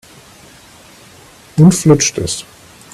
Nun flutscht es.